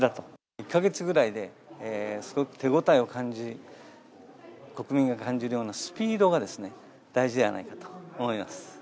１か月ぐらいで、すごく手応えを感じ、国民が感じるようなスピードが、大事ではないかと思います。